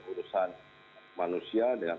urusan manusia dengan